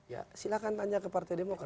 ya silahkan tanya ke partai demokrat